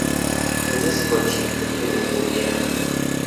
Miziziko ki egiri mu kwogera?